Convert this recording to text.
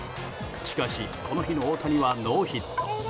しかし、この日の大谷はノーヒット。